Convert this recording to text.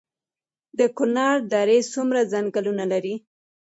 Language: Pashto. د کونړ درې څومره ځنګلونه لري؟